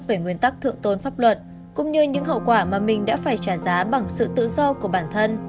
về nguyên tắc thượng tôn pháp luật cũng như những hậu quả mà mình đã phải trả giá bằng sự tự do của bản thân